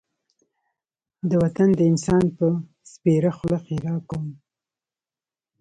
د وطن د انسان په سپېره خوله ښېرا کوم.